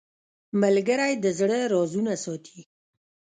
ملګری د زړه رازونه ساتي